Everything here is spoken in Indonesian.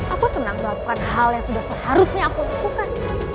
aku senang melakukan hal yang sudah seharusnya aku lakukan